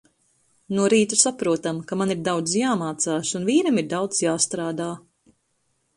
No rīta saprotam, ka man ir daudz jāmācās un vīram ir daudz jāstrādā.